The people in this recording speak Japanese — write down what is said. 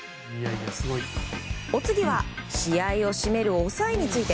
お次は試合を締める抑えについて。